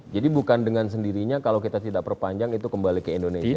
jadi bukan dengan sendirinya kalau kita tidak perpanjang itu kembali ke indonesia